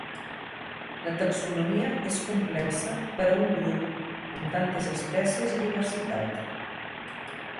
La taxonomia és complexa per a un grup amb tantes espècies i diversitat.